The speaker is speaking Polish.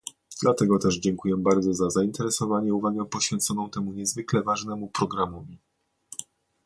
Dlatego też dziękuję bardzo za zainteresowanie i uwagę poświęconą temu niezwykle ważnemu programowi